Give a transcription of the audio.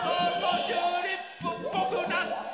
チューリップっぽくなってきた！